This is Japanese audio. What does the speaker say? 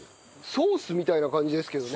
ソースみたいな感じですけどね。